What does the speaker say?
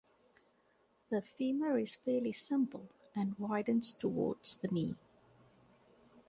The femur is fairly simple and widens towards the knee.